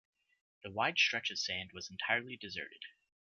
The wide stretch of sand was entirely deserted.